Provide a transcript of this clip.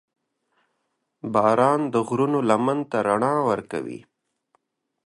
• باران د غرونو لمن ته رڼا ورکوي.